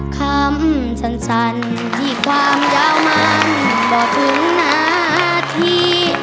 คำสั้นที่ความยาวมันก็ถึงนาที